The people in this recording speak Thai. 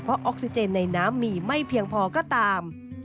เพราะออกซิเจนในน้ำมีไม่เพียงพอก็ตาม